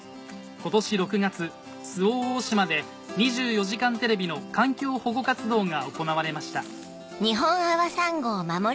今年６月周防大島で『２４時間テレビ』の環境保護活動が行われました